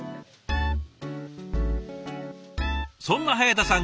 そんな早田さん